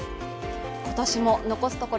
今年も残すところ